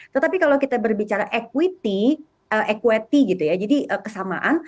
tetapi kalau kita berbicara equity equity gitu ya jadi kesamaan